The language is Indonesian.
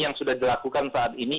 yang sudah dilakukan saat ini